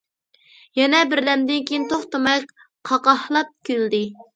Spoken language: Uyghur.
يەنە بىردەمدىن كېيىن توختىماي قاقاھلاپ كۈلدى.